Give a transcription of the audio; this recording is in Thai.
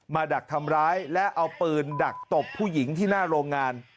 ดักทำร้ายและเอาปืนดักตบผู้หญิงที่หน้าโรงงาน